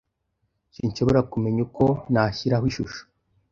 Sinshobora kumenya uko nashyiraho ishusho.